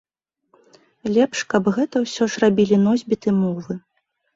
Лепш, каб гэта ўсё ж рабілі носьбіты мовы.